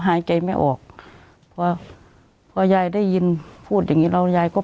หายใจไม่ออกพอพอยายได้ยินพูดอย่างงี้แล้วยายก็